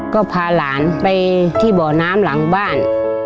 ก็พาหลานไปที่บ่อน้ำหลังบ้าน